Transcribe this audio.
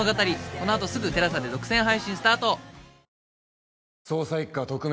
このあとすぐ ＴＥＬＡＳＡ で独占配信スタート！